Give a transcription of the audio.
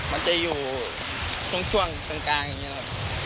มันจะอยู่ช่วงกลางอย่างนี้นะครับ